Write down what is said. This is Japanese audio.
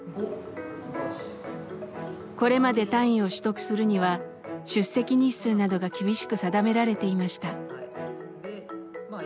これまで単位を取得するには出席日数などが厳しく定められていました。